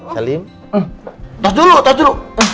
salim tas dulu tas dulu